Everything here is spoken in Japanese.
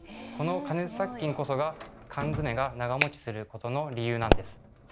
この加熱殺菌こそが缶詰が長もちすることの理由なんです。